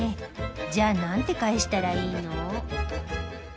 じゃあ、なんて返したらいいの？